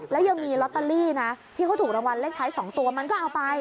แล้วยังมีลอตเตอรี่นะที่เขาถูกรางวัลเลขท้าย๒ตัวมันก็เอาไป